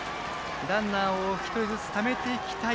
ランナー１人ずつためていきたい